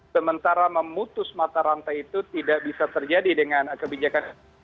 sementara memutus mata rantai itu tidak bisa terjadi dengan kebijakan